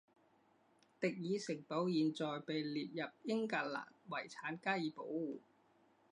迪尔城堡现在被列入英格兰遗产加以保护。